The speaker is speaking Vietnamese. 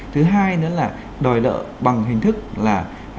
thứ hai nữa là đòi nợ bằng hình thức là